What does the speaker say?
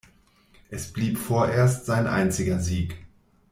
Es blieb vorerst sein einziger Sieg.